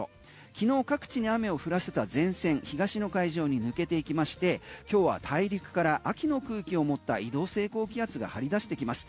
昨日、各地に雨を降らせた前線東の海上に抜けていきまして今日は大陸から秋の空気を持った移動性高気圧が張り出してきます。